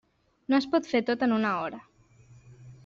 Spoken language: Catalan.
No es pot fer tot en una hora.